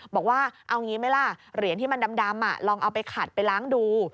บอกว่าเอางี้ไหมล่ะเหรียญที่มันดำลองเอาไปขัดไปล้างดู